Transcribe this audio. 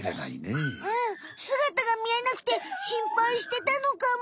うんすがたがみえなくてしんぱいしてたのかも。